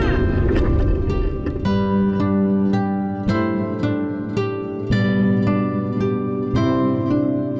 ผมเคยวาดรูปพี่ตูนด้วย